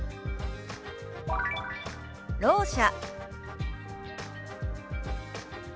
「ろう者」。